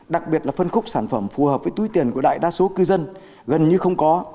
đặc biệt là phân khúc sản phẩm phù hợp với túi tiền của đại đa số cư dân gần như không có